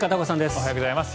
おはようございます。